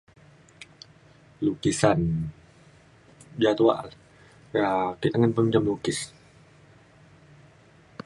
lukisan ja tuak le. um ake tengen pe mencam lukis.